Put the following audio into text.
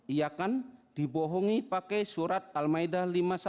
iakan dibohongi pakai surat al ma'idah lima puluh satu